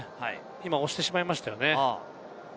今、押してしまいましたよね。